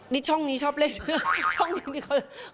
นี่ช่องนี้ชอบเลข